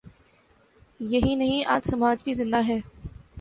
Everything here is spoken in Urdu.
یہی نہیں، آج سماج بھی زندہ ہے۔